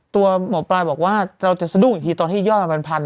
ตัวหมอปลายบอกว่าเราจะสะดุ้งอีกทีตอนที่ยอดมาเป็นพัน